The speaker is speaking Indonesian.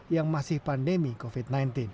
yang masih pandemi covid sembilan belas